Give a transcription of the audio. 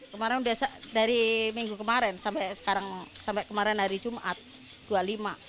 kemarin dari minggu kemarin sampai kemarin hari jumat dua puluh lima